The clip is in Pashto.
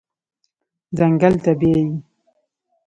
ځنګل ته بیایي